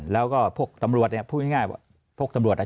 แล้วก็พวกตำรวจพูดง่ายพวกตำรวจแบบ